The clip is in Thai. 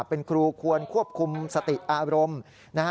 เป็นครูควรควบคุมสติอารมณ์นะฮะ